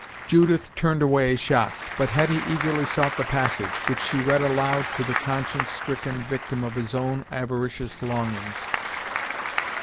Judith turned away shocked, but Hetty eagerly sought the passage, which she read aloud to the conscience stricken victim of his own avaricious longings.